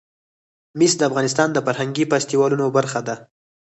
مس د افغانستان د فرهنګي فستیوالونو برخه ده.